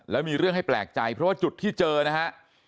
แล้วมีเรื่องให้แปลกใจเพราะว่าจุดที่เจอนะฮะ